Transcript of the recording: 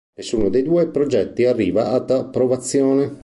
Nessuno dei due progetti arriva ad approvazione.